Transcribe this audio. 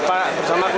berapa berapa warga